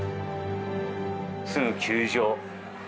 すぐ球場。